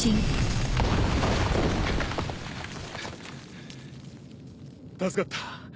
ハァハァ助かった。